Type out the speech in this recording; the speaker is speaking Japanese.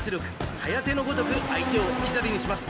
はやてのごとく相手を置き去りにします。